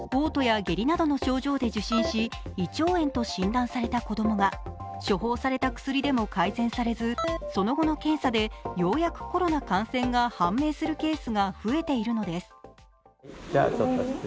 胃腸炎と診断された子供が処方された薬でも改善されず、その後の検査でようやくコロナ感染が判明するケースが増えているのです。